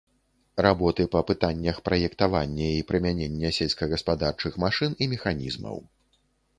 Работы па пытаннях праектавання і прымянення сельскагаспадарчых машын і механізмаў.